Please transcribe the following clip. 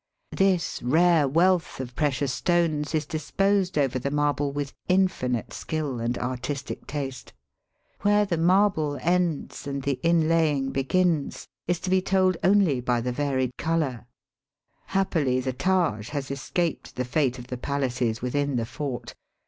This rare wealth of precious stones is disposed over the marble with infinite skill and artistic taste. Where the marble ends and the inlaying begins is to be told only by the varied colour. Happily the Taj has escaped the fate of the palaces within the fort.